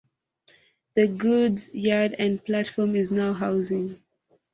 The goods yard and platform is now housing.